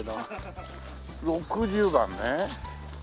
６０番ね。